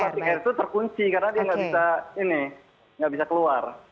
jadi batik air itu terkunci karena dia tidak bisa keluar